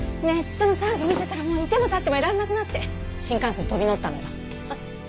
ネットの騒ぎ見てたらもういても立ってもいられなくなって新幹線飛び乗ったのよ。